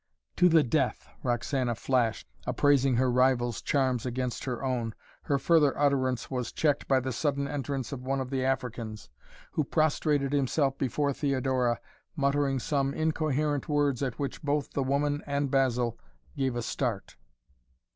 "To the death!" Roxana flashed, appraising her rival's charms against her own. Her further utterance was checked by the sudden entrance of one of the Africans, who prostrated himself before Theodora, muttering some incoherent words at which both the woman and Basil gave a start.